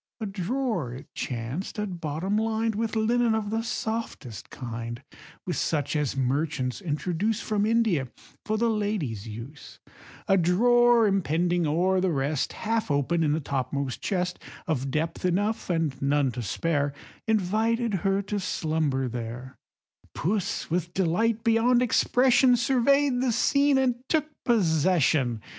A drawer, it chanced, at bottom lined With linen of the softest kind, With such as merchants introduce From India, for the ladies' use, A drawer impending o'er the rest, Half open in the topmost chest, Of depth enough, and none to spare, Invited her to slumber there; Puss with delight beyond expression, Survey'd the scene, and took possession.